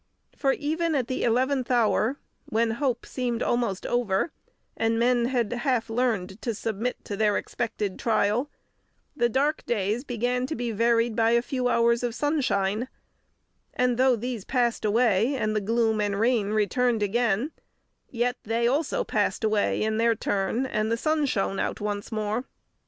For even at the eleventh hour, when hope seemed almost over, and men had half learned to submit to their expected trial, the dark days began to be varied by a few hours of sunshine; and though these passed away, and the gloom and rain returned again, yet they also passed away in their turn, and the sun shone out once more.